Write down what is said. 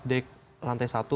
lari ke belakang